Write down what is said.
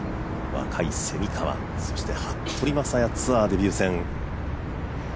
若い蝉川、そして服部雅也ツアーデビュー戦。